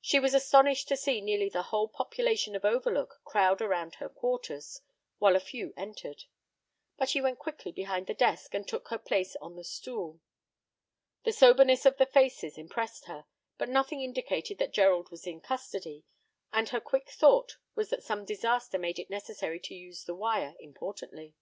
She was astonished to see nearly the whole population of Overlook crowd around her quarters, while a few entered. But she went quickly behind the desk, and took her place on the stool. The soberness of the faces impressed her, but nothing indicated that Gerald was in custody, and her quick thought was that some disaster made it necessary to use the wire importantly.